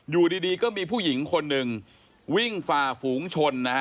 อยู่ดีก็มีผู้หญิงคนหนึ่งวิ่งฝ่าฝูงชนนะฮะ